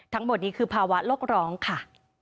ทั้งหมดนี้คือภาวะโลกร้องค่ะ